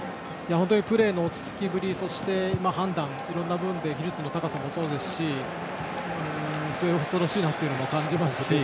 プレーの落ち着きぶりそして判断いろいろな部分で技術の高さもそうですし末恐ろしさも感じますし。